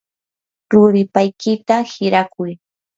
ruripaykita hirakuy.